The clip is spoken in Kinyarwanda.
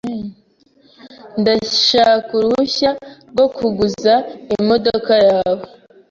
Ndashaka uruhushya rwo kuguza imodoka yawe .